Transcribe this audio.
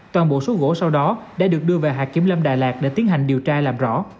toàn bộ số gỗ sau đó đã được đưa về hạt kiểm lâm đà lạt để tiến hành điều tra làm rõ